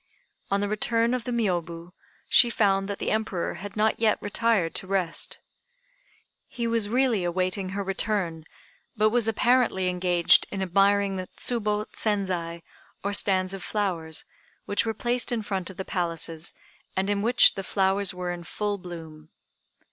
On the return of the Miôbu she found that the Emperor had not yet retired to rest. He was really awaiting her return, but was apparently engaged in admiring the Tsubo Senzai or stands of flowers which were placed in front of the palaces, and in which the flowers were in full bloom.